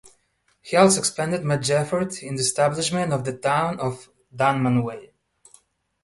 He also expended much effort in the establishment of the town of Dunmanway.